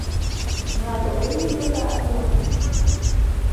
Nyako be iwinjo ka aluongi.